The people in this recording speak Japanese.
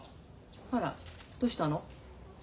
あらどうしたの？